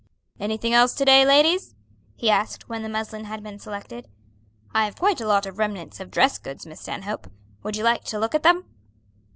"Anything else to day, ladies?" he asked when the muslin had been selected. "I have quite a lot of remnants of dress goods, Miss Stanhope. Would you like to look at them?"